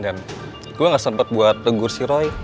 dan gue gak sempet buat tegur si roy